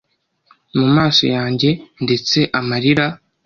Mu maso yanjye ndetse amarira